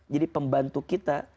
jadi pembantu kita